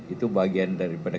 itu bagian daripada